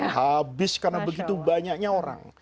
habis karena begitu banyaknya orang